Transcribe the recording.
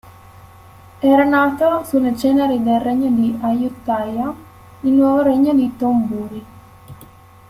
Era nato, sulle ceneri del regno di Ayutthaya, il nuovo regno di Thonburi.